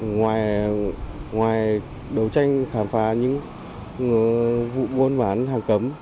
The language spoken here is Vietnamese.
ngoài đấu tranh khám phá những vụ buôn bán hàng cấm